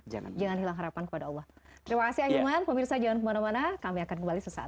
jangan hilang harapan kepada allah